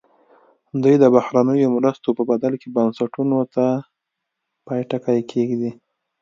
دوی د بهرنیو مرستو په بدل کې بنسټونو ته پای ټکی کېږدي.